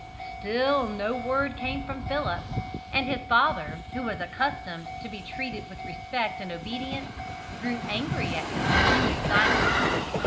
Still no word came from Philip, and his father, who was accustomed to be treated with respect and obedience, grew angry at his continued silence.